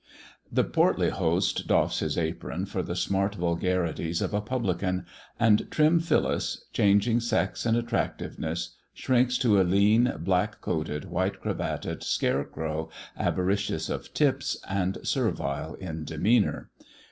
The portly host doffs his apron for the smart vulgarities of a publican, and trim Phyllis, changing sex and attractiveness, shrinks to a. lean, black coated, white cravated scarecrow, avaricious of tips," and servile in demeanour.